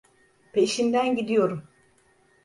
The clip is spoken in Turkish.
Peşinden gidiyorum.